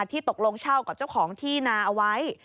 ที่ตกลงเช่ากับเจ้าของที่นาเอาไว้